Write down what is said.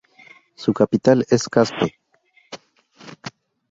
Su capital es Caspe.